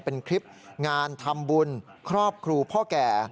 เป็นคลิปงานทำบุญครอบครูพ่อแก่